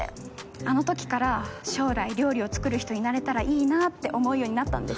あのときから将来料理を作る人になれたらいいなって思うようになったんです。